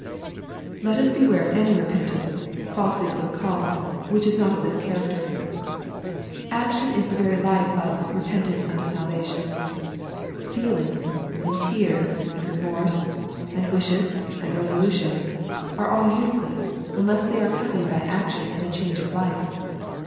Let us beware of any repentance, falsely so called* 184 EXPOSITORY THOUGHTS. which is not of this character. Action is the very life of " repentance unto salvation." Feelings, and tears, and remorse, and wishes, and resolutions, are all useless, until they are accompanied by action and a change of life.